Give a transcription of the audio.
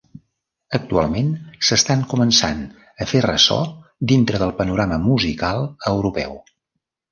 Actualment s'estan començant a fer ressò dintre del panorama musical europeu.